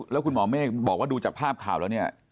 แล้วคุณหมอเมฆบอกว่าดูจากภาพข่าวแล้วเนี่ย